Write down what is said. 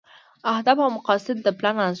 اهداف او مقاصد د پلان عناصر دي.